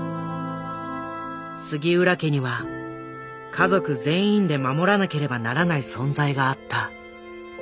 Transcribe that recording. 杉浦家には家族全員で守らなければならない存在があった。